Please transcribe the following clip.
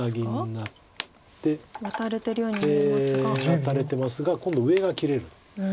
ワタれてますが今度上が切れる。